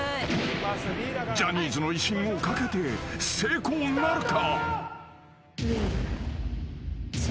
［ジャニーズの威信をかけて成功なるか？］